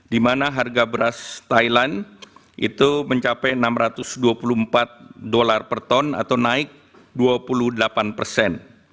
di mana harga beras thailand itu mencapai enam ratus dua puluh empat dolar per ton atau naik dua puluh delapan persen